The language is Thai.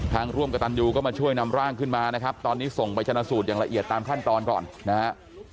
ร่วมกับตันยูก็มาช่วยนำร่างขึ้นมานะครับตอนนี้ส่งไปชนะสูตรอย่างละเอียดตามขั้นตอนก่อนนะฮะ